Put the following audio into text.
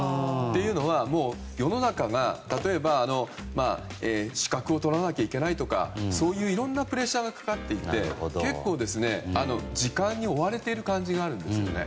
というのは、世の中が例えば資格を取らなきゃいけないとかそういういろんなプレッシャーがかかっていて結構時間に追われている感じがあるんですよね。